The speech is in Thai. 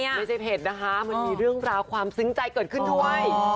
ไม่ใช่เผ็ดนะคะมันมีเรื่องราวความซึ้งใจเกิดขึ้นด้วย